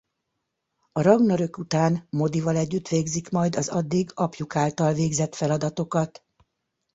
A Ragnarök után Modival együtt végzik majd az addig apjuk által végzett feladatokat.